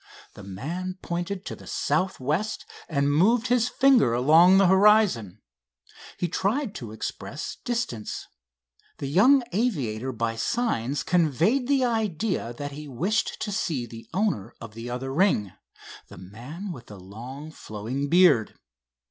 The man pointed to the southwest, and moved his finger along the horizon. He tried to express distance. The young aviator by signs conveyed the idea that he wished to see the owner of the other ring, the man with long flowing beard.